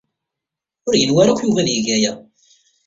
Ur yenwa ara akk Yuba ad yeg aya.